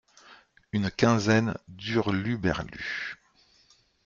Une quinzaine d’hurluberlus.